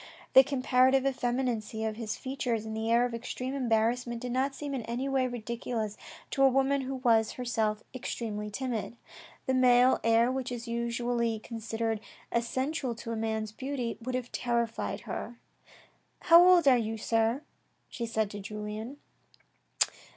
The comparative effemin ancy of his features and his air of extreme embarrassment did not seem in any way ridiculous to a woman who was herself 30 THE RED AND THE BLACK extremely timid. The male air, which is usually considered essential to a man's beauty, would have terrified her. " How old are you, sir, she said to Julien